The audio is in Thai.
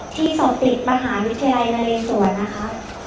ที่สติกมหาวิทยาลัยนาเลสวรรค์นะคะ